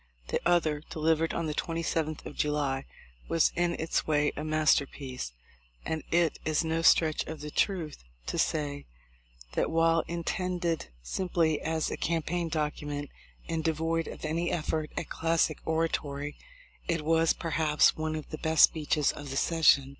The other, deliv ered on the 27th of July, was in its way a master piece ; and it is no stretch of the truth to say that while intended simply as a campaign document and devoid of any effort at classic orator} 7 , it was, per haps, one of the best speeches of the session.